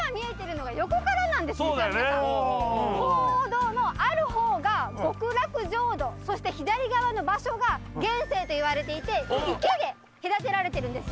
鳳凰堂のある方が極楽浄土そして左側の場所が現世といわれていて池で隔てられてるんですよ。